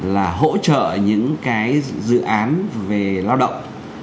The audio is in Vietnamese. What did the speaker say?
là hỗ trợ những cái dự án về lao động